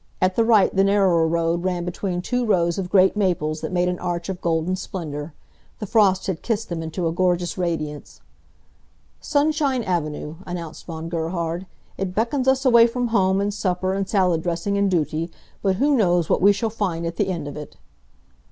At the right the narrower road ran between two rows of great maples that made an arch of golden splendor. The frost had kissed them into a gorgeous radiance. "Sunshine Avenue," announced Von Gerhard. "It beckons us away from home, and supper and salad dressing and duty, but who knows what we shall find at the end of it!"